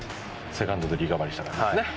セカンドでリカバリーしたからですね。